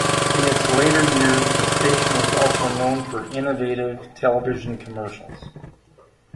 In its later years, the station was also known for innovative television commercials.